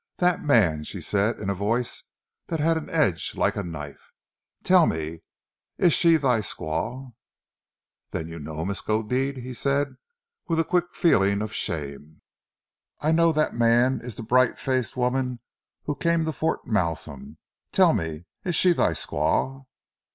"That man " she said in a voice that had an edge like a knife, "tell me, is she thy squaw?" "Then you know, Miskodeed?" he said, with a quick feeling of shame. "I know that man is the bright faced woman who came to Fort Malsun. Tell me, is she thy squaw?"